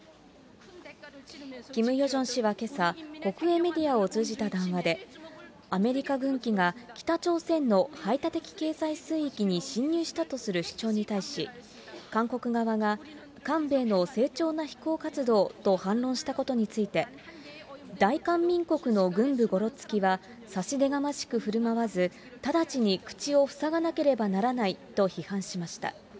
キム・ヨジョン氏はけさ、国営メディアを通じた談話で、アメリカ軍機が北朝鮮の排他的経済水域に侵入したとする主張に対し、韓国側が韓米の正常な飛行活動と反論したことについて、大韓民国の軍部ごろつきは、差し出がましくふるまわず、直ちに口を塞がなければならないと批判しました。